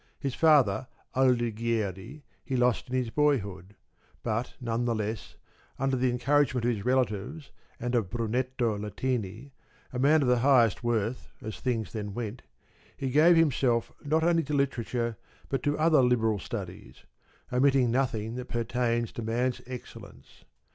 His father, Aldighieri, he lost in his boyhood; but none the less, under the encouragement of his relatives and of Brunetto Latini, a man of the highest worth as things then went, he gave himself not only to literature but to other liberal studies; omitting nothing that pertains to man's excellence.